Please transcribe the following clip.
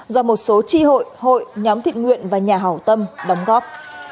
do một số tri hội hội nhóm thiện nguyện và nhà hảo tâm đóng góp